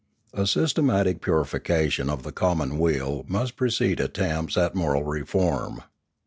A systematic purification of the commonweal must precede attempts at moral reform.